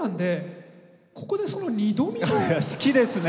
好きですね！